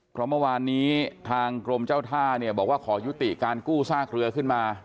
เพราะเมื่อวานนี้ทางกรมเจ้าท่าเนี่ยบอกว่าขอยุติการกู้ซากเรือขึ้นมา